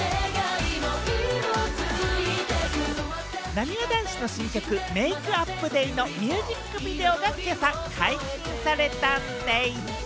なにわ男子の新曲『ＭａｋｅＵｐＤａｙ』のミュージックビデオが今朝、解禁されたんでぃす。